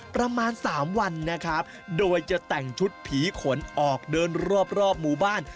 ประมาณ๓วันนะครับโดยจะแต่งชุดผีขนออกเดินรอบรอบหมู่บ้าน